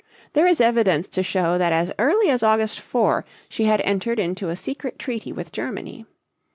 There is evidence to show that as early as August 4 she had entered into a secret treaty with Germany.